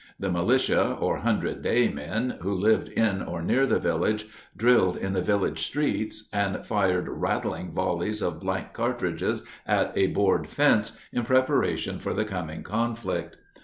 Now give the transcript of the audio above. The militia, or "hundred day men," who lived in or near the village, drilled in the village streets, and fired rattling volleys of blank cartridges at a board fence, in preparation for the coming conflict.